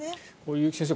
結城先生